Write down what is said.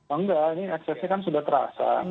oh enggak ini eksesnya kan sudah terasa